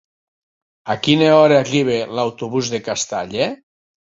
A quina hora arriba l'autobús de Castalla?